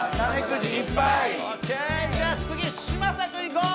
じゃあ次、嶋佐君いこう！